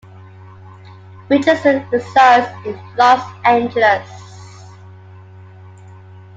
Richardson resides in Los Angeles.